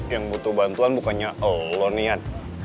yang butuh bantuan bukannya oh lo niat